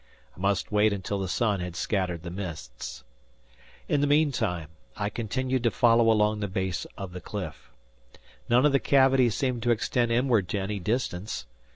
I must wait until the sun had scattered the mists. In the meantime, I continued to follow along the base of the cliff. None of its cavities seemed to extend inward to any distance.